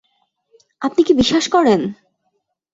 আপনি কি বিশ্বাস করেন?